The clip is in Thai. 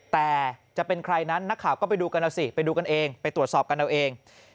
แต่จะเป็นใครนั้นนักข่าวก็ไปดูกันเอาสิไปดูกันเองไปตรวจสอบกันเอาเอง